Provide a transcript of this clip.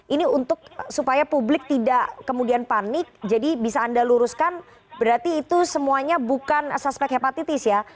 ini untuk supaya publik tidak kemudian panik jadi bisa anda luruskan berarti itu semuanya bukan suspek hepatitis ya